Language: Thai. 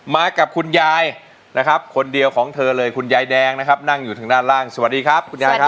มากับคุณยายนะครับคนเดียวของเธอเลยคุณยายแดงนะครับนั่งอยู่ทางด้านล่างสวัสดีครับคุณยายครับ